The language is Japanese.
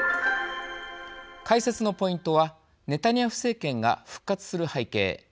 解説のポイントはネタニヤフ政権が復活する背景。